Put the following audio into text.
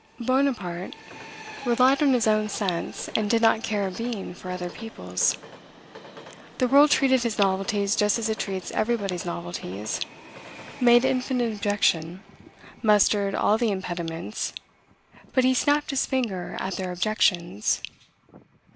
Bonaparte relied on his own sense, and did not care a bean for other people's. The world treated his novelties just as it treats everybody's novelties, made infinite objection: mustered all the impediments; but he snapped his finger at their objections.